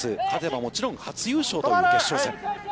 勝てば、もちろん初優勝という決勝戦。